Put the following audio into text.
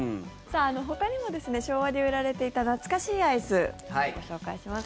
ほかにも昭和で売られていた懐かしいアイス、ご紹介します。